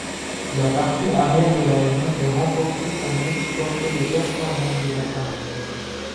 La partie arrière de l'avion est renforcée pour mieux supporter les performances de l'appareil.